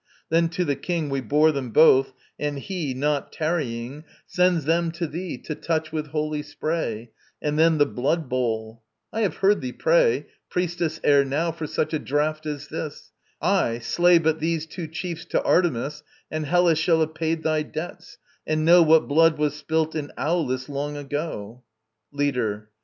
Then to the king We bore them both, and he, not tarrying, Sends them to thee, to touch with holy spray And then the blood bowl! I have heard thee pray, Priestess, ere now for such a draft as this. Aye, slay but these two chiefs to Artemis And Hellas shall have paid thy debt, and know What blood was spilt in Aulis long ago. LEADER.